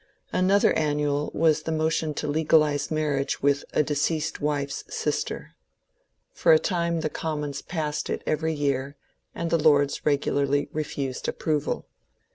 Another annual was the motion to legalize marriage with a deceased wife's sister. For a time the Commons passed it every year and the Lords regularly refused approval.